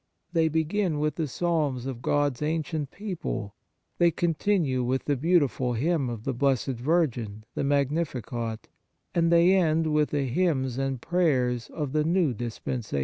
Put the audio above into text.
They begin with the Psalms of God s ancient people, they continue with the beautiful hymn of the Blessed Virgin, the Magnificat, and they end with the hymns and prayers of the new dispensation.